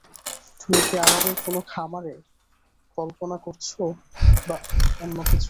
তুমি কি আমাদের কোন খামারে কল্পনা করছো বা অন্যকিছু?